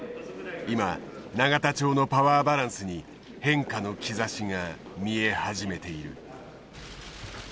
今永田町のパワーバランスに変化の兆しが見え始めている。